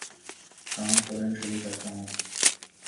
کام فورا شروع کرتا ہوں